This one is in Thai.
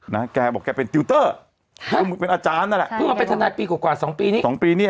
นะแกบอกแกเป็นทิวเตอร์เป็นอาจารย์นั่นแหละพึ่งมาเป็นทนายปีกว่ากว่าสองปีนี้